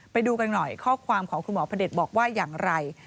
ไปดูกันหน่อยข้อความของคุณหมอพระเด็จบอกว่าอย่างไร